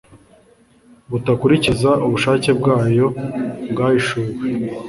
butakurikiza ubushake bwayo bwahishuwe